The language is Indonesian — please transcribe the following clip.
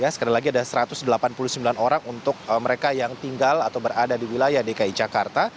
sekali lagi ada satu ratus delapan puluh sembilan orang untuk mereka yang tinggal atau berada di wilayah dki jakarta